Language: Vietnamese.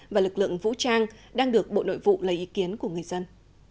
và lực lượng vũ trang đang được bộ nội vụ lấy ý kiến của người dân